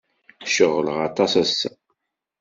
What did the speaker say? Ceɣleɣ aṭas ass-a.